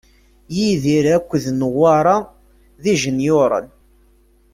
Yidir akked Newwara d ijenyuren.